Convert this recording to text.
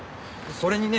それにね。